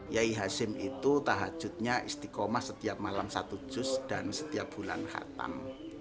yaih hashim itu tahajudnya istiqomah setiap malam satu juz dan setiap bulan khatam